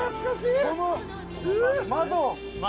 この窓窓